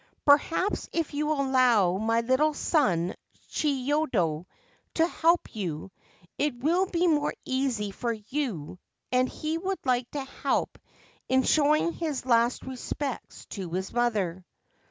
Perhaps, if you will allow my little son Chiyodo to help you, it will be more easy for you ; and he would like to help in showing his last respects to his mother.'